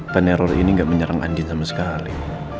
peneror ini gak menyerang andien sama sekali